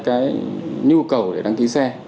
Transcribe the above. cái nhu cầu để đăng ký xe